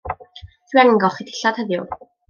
Dw i angen golchi dillad heddiw.